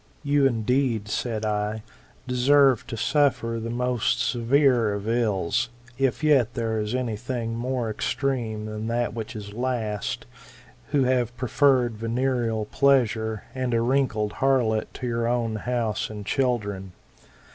"You indeed, said I, deserve to suffer the most severe of ills, if yet there is any thing more extreme than that which is last, who have preferred venereal pleasure, and a wrinkled harlot, to your own house and children.